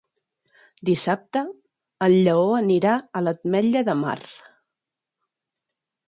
Dissabte en Lleó anirà a l'Ametlla de Mar.